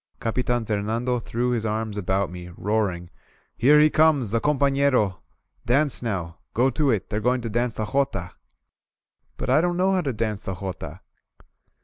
Capitan Fernando threw his arms about me, roar ing: "Here he comes, the companerol Dance now! Go to it! They're going to dance the jotaF* *TBut I don't know how to dance the jota!